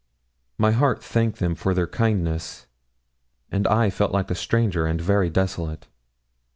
My heart thanked them for their kindness, and I felt like a stranger, and very desolate.